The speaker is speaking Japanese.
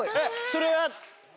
それは。